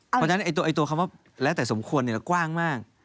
เพราะฉะนั้นตัวคำว่าแล้วแต่สมควรกว้างมาก